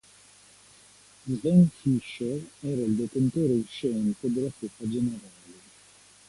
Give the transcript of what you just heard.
Sven Fischer era il detentore uscente della Coppa generale.